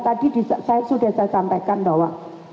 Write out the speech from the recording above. tadi saya sudah saya sampaikan bahwa